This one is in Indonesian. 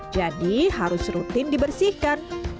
jadi harus rutin dibersihkan